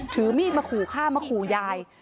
ถือมีดมาขู่ฆ่ามาขู่ยาย